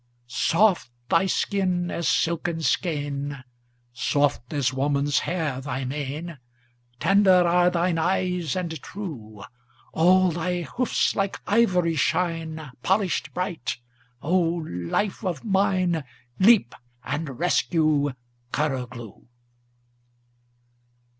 "Soft thy skin as silken skein, Soft as woman's hair thy mane, Tender are thine eyes and true; All thy hoofs like ivory shine, Polished bright; O, life of mine, Leap, and rescue Kurroglou!"